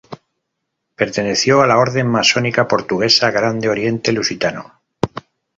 Perteneció a la orden masónica portuguesa Grande Oriente Lusitano.